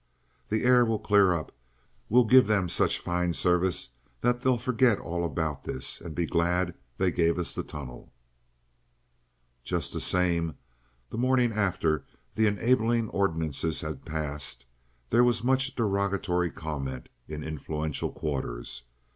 The air will clear up. We'll give them such a fine service that they'll forget all about this, and be glad they gave us the tunnel." Just the same, the morning after the enabling ordinances had passed, there was much derogatory comment in influential quarters. Mr.